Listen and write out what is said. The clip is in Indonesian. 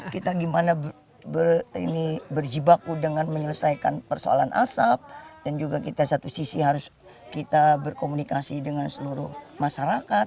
kita gimana berjibaku dengan menyelesaikan persoalan asap dan juga kita satu sisi harus kita berkomunikasi dengan seluruh masyarakat